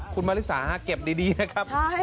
คุณมริษาเก็บดีดีนะครับใช่